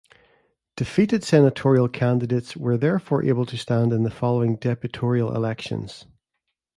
Defeated Senatorial candidates were therefore able to stand in the following Deputorial elections.